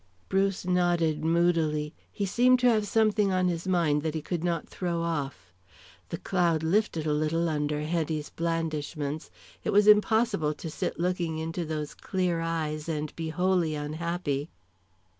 Bruce nodded moodily. He seemed to have something on his mind that he could not throw off. The cloud lifted a little under Hetty's blandishments; it was impossible to sit looking into those clear eyes and be wholly unhappy.